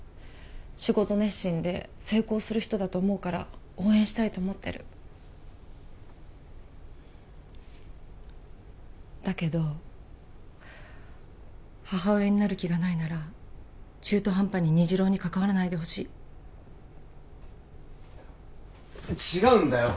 仕事熱心で成功する人だと思うから応援したいと思ってるだけど母親になる気がないなら中途半端に虹朗に関わらないでほしいいや違うんだよ